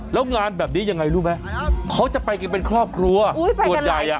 แล้วงานแบบนี้ยังไงรู้ไหมเขาจะไปกันเป็นครอบครัวส่วนใหญ่อ่ะ